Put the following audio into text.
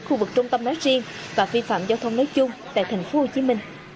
khu vực trung tâm nói riêng và vi phạm giao thông nói chung tại tp hcm